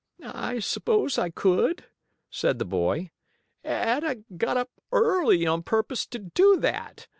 "I suppose I could," said the boy, "and I got up early on purpose to do that.